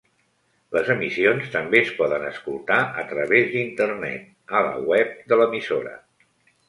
Les emissions també es poden escoltar a través d'internet, a la web de l'emissora.